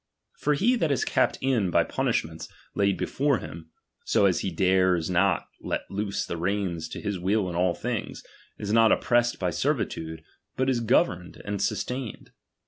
For he that is kept in by punishments laid ^^^efore him, so as he dares not let loose the reins to i^fcis will in all things, is not oppressed by servitude, T^^ut is governed and sustained.